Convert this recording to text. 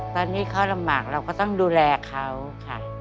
ตอนนี้เขาลำบากเราก็ต้องดูแลเขาค่ะ